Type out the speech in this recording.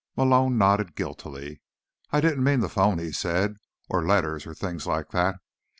Malone nodded guiltily. "I didn't mean the phone," he said, "or letters or things like that.